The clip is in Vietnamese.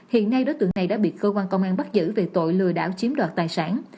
hiện nay đối tượng này đã bị cơ quan công an bắt giữ về tội lừa đảo chiếm đoạt tài sản